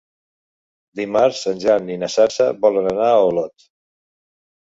Dimarts en Jan i na Sança volen anar a Olot.